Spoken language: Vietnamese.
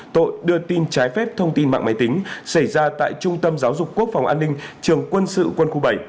tội đưa tin trái phép thông tin mạng máy tính xảy ra tại trung tâm giáo dục quốc phòng an ninh trường quân sự quân khu bảy